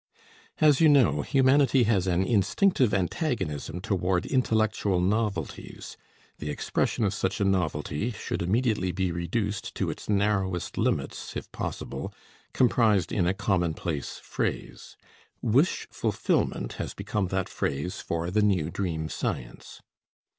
As you know, humanity has an instinctive antagonism toward intellectual novelties. The expression of such a novelty should immediately be reduced to its narrowest limits, if possible, comprised in a commonplace phrase. Wish fulfillment has become that phrase for the new dream science.